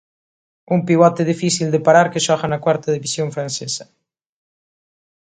Un pivote difícil de parar que xoga na cuarta división francesa.